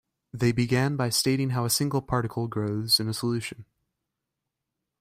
They began by stating how a single particle grows in a solution.